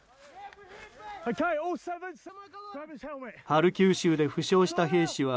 ハルキウ州で負傷した兵士は